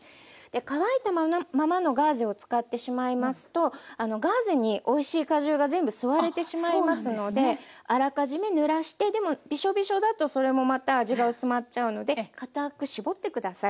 乾いたままのガーゼを使ってしまいますとガーゼにおいしい果汁が全部吸われてしまいますのであらかじめぬらしてでもビショビショだとそれもまた味が薄まっちゃうのでかたくしぼって下さい。